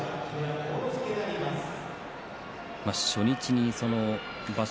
初日に場所